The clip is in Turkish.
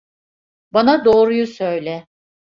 Bana doğruyu söyle.